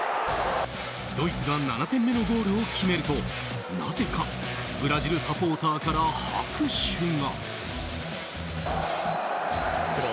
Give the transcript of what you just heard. ドイツが７点目のゴールを決めるとなぜかブラジルサポーターから拍手が。